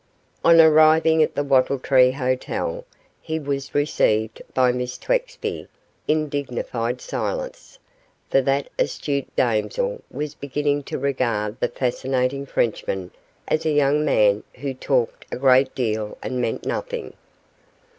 On arriving at the Wattle Tree Hotel he was received by Miss Twexby in dignified silence, for that astute damsel was beginning to regard the fascinating Frenchman as a young man who talked a great deal and meant nothing.